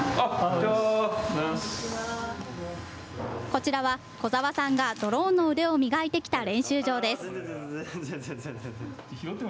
こちらは小澤さんがドローンの腕を磨いてきた練習場です。